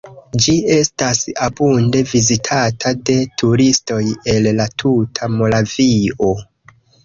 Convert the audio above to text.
Ĝi estas abunde vizitata de turistoj el la tuta Moravio.